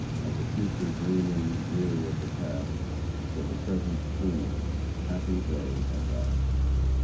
Of the future dreaming, Weary of the past, For the present scheming, Happy they, at last."